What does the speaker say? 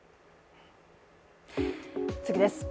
次です。